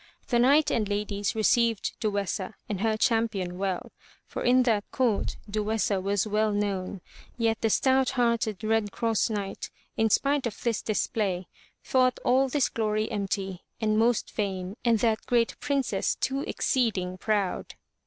The knight and ladies received Duessa and her champion well, for in that court Duessa was well known, yet the stout hearted Red Cross Knight in spite of this display, thought all this glory empty and most vain and that great Princess too exceeding proud.